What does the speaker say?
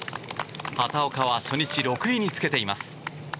畑岡は初日６位につけています。